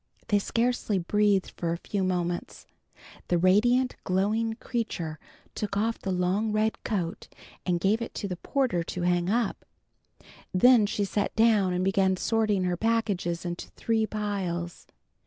They scarcely breathed for a few moments. The radiant, glowing creature took off the long red coat and gave it to the porter to hang up, then she sat down and began sorting her packages into three piles.